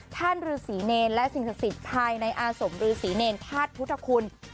ท่านรือศรีเนรและสิ่งศักดิ์ศิษย์ภายในอาสมรือศรีเนรภาดพุทธคุณ